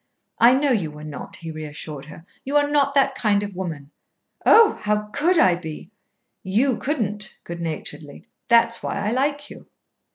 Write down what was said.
"I know you were not," he reassured her. "You are not that kind of woman." "Oh! how could I be?" "You couldn't," good naturedly. "That's why I like you."